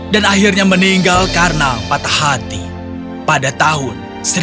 dan akhirnya meninggal karena patah hati pada tahun seribu lima ratus empat puluh enam